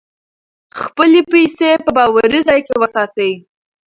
خپلې پیسې په باوري ځای کې وساتئ.